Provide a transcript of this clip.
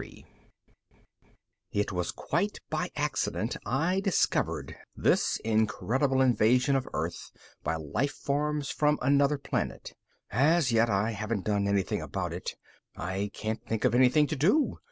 DICK It was quite by accident I discovered this incredible invasion of Earth by lifeforms from another planet. As yet, I haven't done anything about it; I can't think of anything to do.